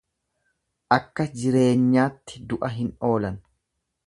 Akka jireenyaatti du'a hin oolan.